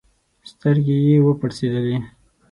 سترګي یې وپړسېدلې